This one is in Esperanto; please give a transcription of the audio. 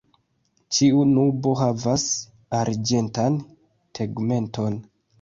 Ĉiu nubo havas arĝentan tegmenton.